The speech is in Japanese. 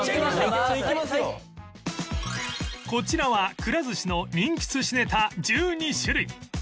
こちらはくら寿司の人気寿司ネタ１２種類